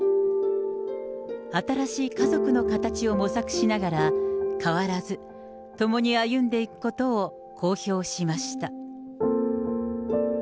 新しい家族の形を模索しながら、変わらず共に歩んでいくことを公表しました。